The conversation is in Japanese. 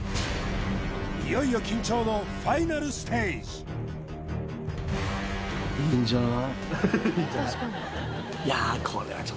いよいよ緊張のファイナルステージハハハイイんじゃない？